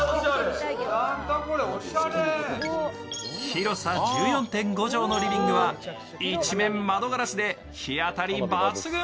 広さ１４．５畳のリビングは一面窓ガラスで日当たり抜群。